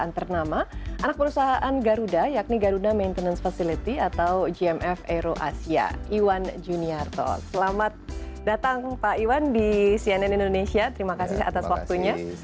terima kasih atas waktunya